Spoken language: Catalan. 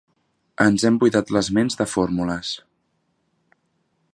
Ens hem buidat les ments de fórmules.